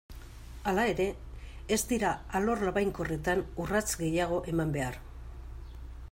Hala ere, ez dira alor labainkorretan urrats gehiago eman behar.